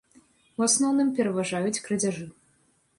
У асноўным пераважаюць крадзяжы.